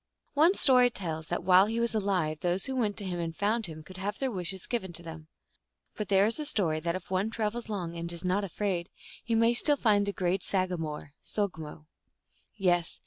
One story tells that while he was alive those who went to him and found him could have their wishes given to them. But there is a story that if one travels long, and is not afraid, he may still find the great sagamore (so^mo). Yes.